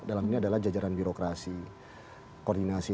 dalam ini adalah jajaran birokrasi koordinasi